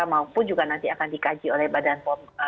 maupun juga nanti akan dikaji oleh badan pom